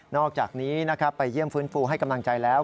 อกจากนี้นะครับไปเยี่ยมฟื้นฟูให้กำลังใจแล้ว